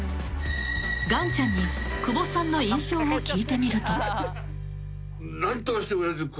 ［がんちゃんに久保さんの印象を聞いてみると］